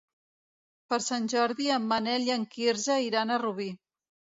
Per Sant Jordi en Manel i en Quirze iran a Rubí.